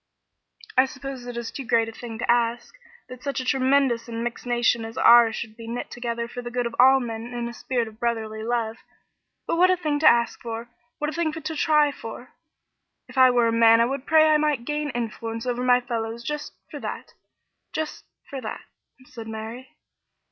"I suppose it is too great a thing to ask that such a tremendous and mixed nation as ours should be knit together for the good of all men in a spirit of brotherly love but what a thing to ask for! What a thing to try for! If I were a man, I would pray that I might gain influence over my fellows just for that just for that," said Mary.